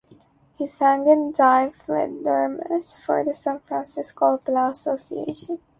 He sang in "Die Fledermaus" for the San Francisco Opera Association.